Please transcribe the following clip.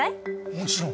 もちろん！